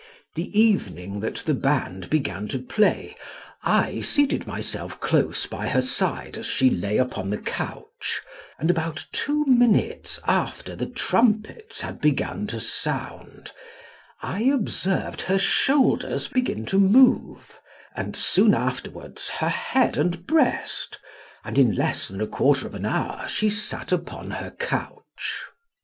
"The evening that the band began to play I seated myself close by her side as she lay upon the couch, and about two minutes after the trumpets had begun to sound I observed her shoulders begin to move, and soon afterwards her head and breast, and in less than a quarter of an hour she sat upon her couch.